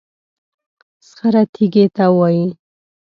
صخره تېږې ته وایي.